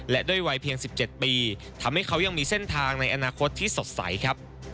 และด้วยวัยเพียง๑๗ปีทำให้เขายังมีเส้นทางในอนาคตที่สดใสครับ